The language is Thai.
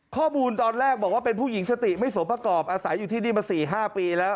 ข้อมูลตอนแรกบอกว่าเป็นผู้หญิงสติไม่สมประกอบอาศัยอยู่ที่นี่มา๔๕ปีแล้ว